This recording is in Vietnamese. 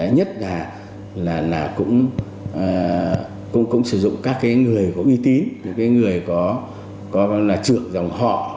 nhất là cũng sử dụng các người có uy tín những người có trượt dòng họ